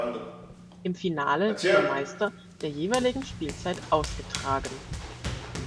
Im Finale wird der Meister der jeweiligen Spielzeit ausgetragen.